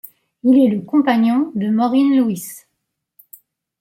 Il est le compagnon de Maureen Louys.